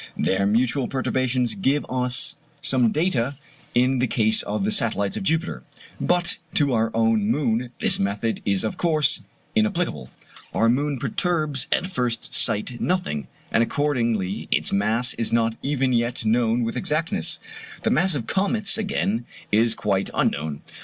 Their mutual perturbations give us some data in the case of the satellites of Jupiter; but to our own moon this method is of course inapplicable. Our moon perturbs at first sight nothing, and accordingly its mass is not even yet known with exactness. The mass of comets, again, is quite unknown.